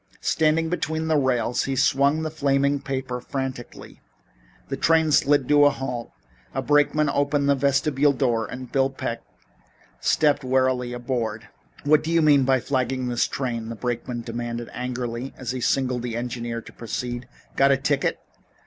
Standing between the rails he swung the flaming paper frantically. The train slid to a halt, a brakeman opened a vestibule door, and Bill Peck stepped wearily aboard. "What do you mean by flagging this train?" the brakeman demanded angrily, as he signaled the engineer to proceed. "Got a ticket?"